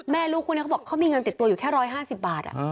ลูกคู่นี้เขาบอกเขามีเงินติดตัวอยู่แค่๑๕๐บาท